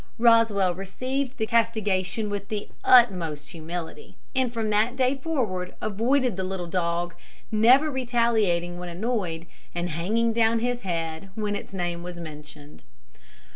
Rosswell received the castigation with the utmost humility; and from that day forward avoided the little dog, never retaliating when annoyed, and hanging down his head when its name was mentioned.